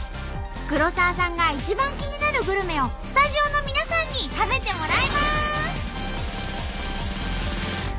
黒沢さんが一番気になるグルメをスタジオの皆さんに食べてもらいます！